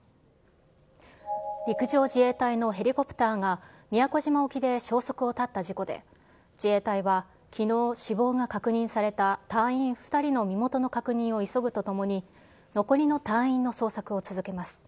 陸上自衛隊のヘリコプターが宮古島沖で消息を絶った事故で、自衛隊はきのう死亡が確認された隊員２人の身元の確認を急ぐとともに、残りの隊員の捜索を続けます。